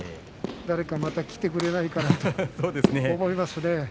誰かまた来てくれないかなと思いますね。